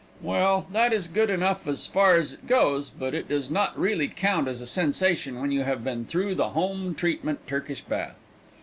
Well, that is good enough as far as it goes, but it does not really count as a sensation, when you have been through the Home Treatment Turkish Bath.